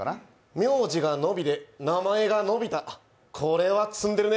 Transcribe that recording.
名字が野比で、名前がのび太これは詰んでるね。